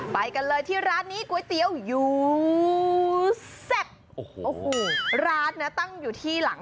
ไปกันเลยที่ร้านนี้ก๋วยเตี๋ยวอยู่แซ่บโอ้โหร้านนะตั้งอยู่ที่หลัง